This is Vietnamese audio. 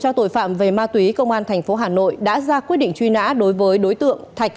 điều tra tội phạm về ma túy công an thành phố hà nội đã ra quyết định truy nã đối với đối tượng thạch